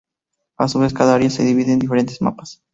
A su vez, cada área se divide en diferentes mapas.